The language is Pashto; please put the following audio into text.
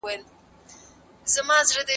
ولې تاسو خپلو ملګرو ته ځواب نه ورکړ؟